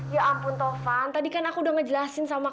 ya ampun tovan tadi kan aku udah ngejelasin sama